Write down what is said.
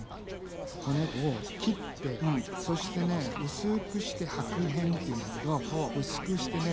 骨を切ってそしてね薄くして剥片っていうんだけど薄くしてね